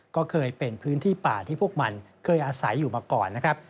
ก็เคยเป็นพื้นที่ป่าที่พวกมันเคยอาศัยอยู่มาก่อนนะครับ